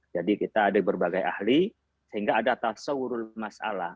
jadi kita ada berbagai ahli sehingga ada tasawurul masalah